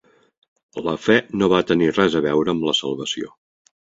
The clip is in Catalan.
La fe no va tenir res a veure amb la salvació.